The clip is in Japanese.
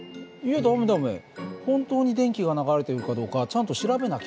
本当に電気が流れてるかどうかちゃんと調べなきゃ。